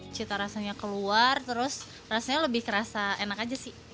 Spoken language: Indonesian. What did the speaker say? cita rasanya keluar terus rasanya lebih kerasa enak aja sih